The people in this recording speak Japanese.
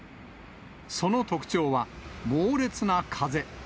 その特徴は、猛烈な風。